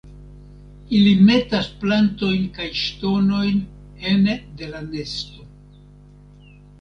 Ili metas plantojn kaj ŝtonojn ene de la nesto.